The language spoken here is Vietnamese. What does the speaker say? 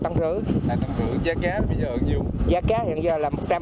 hai tấn rưỡi giá cá bây giờ là bao nhiêu